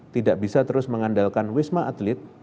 tidak bisa terus mengandalkan wisma atlet